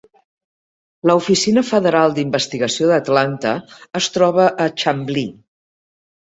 La Oficina Federal d'Investigació d'Atlanta es troba a Chamblee.